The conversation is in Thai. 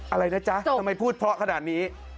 อะไรนะจ๊ะทำไมพูดเพราะขนาดนี้